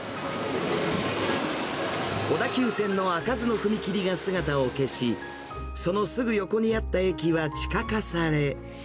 小田急線の開かずの踏切が姿を消し、そのすぐ横にあった駅は地下化され。